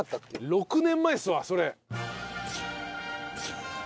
６年前っすわそれ。